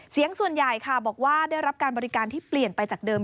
เสียงส่วนใหญ่ค่ะบอกว่าได้รับการบริการที่เปลี่ยนไปจากเดิม